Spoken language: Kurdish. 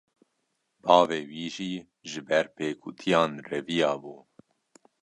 Bavê wî jî, ji ber pêkutiyan reviya bû